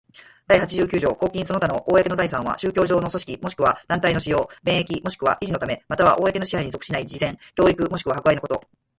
第八十九条公金その他の公の財産は、宗教上の組織若しくは団体の使用、便益若しくは維持のため、又は公の支配に属しない慈善、教育若しくは博愛の事業に対し、これを支出し、又はその利用に供してはならない。